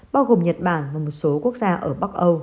bao gồm nhật bản và một số quốc gia ở bắc âu